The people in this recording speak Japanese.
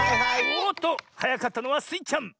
おっとはやかったのはスイちゃん！